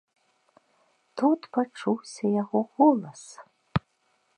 Тут пачуўся яго голас.